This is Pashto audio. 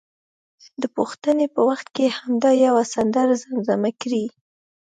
د پوښتنې په وخت کې همدا یوه سندره زمزمه کړي.